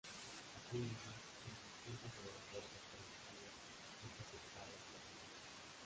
Asimismo, los distintos navegadores alternativos son presentados en dos grupos.